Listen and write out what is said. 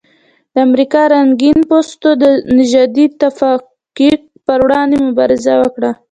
د امریکا رنګین پوستو د نژادي تفکیک پر وړاندې مبارزه وکړه.